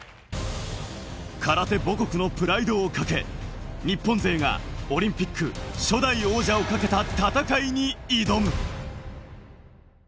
空手母国のプライドを懸け、日本勢がオリンピック初代王者をかけた戦いに挑む。